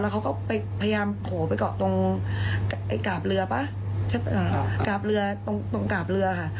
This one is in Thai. แล้วเขาก็พยายามเขาไปเกาะตรงกราบเรือตรงกราบเรือค่ะ